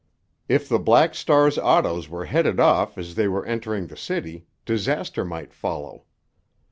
If the Black Star's autos were headed off as they were entering the city, disaster might follow.